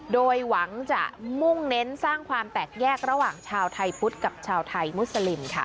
โดยหวังจะมุ่งเน้นสร้างความแตกแยกระหว่างชาวไทยพุทธกับชาวไทยมุสลิมค่ะ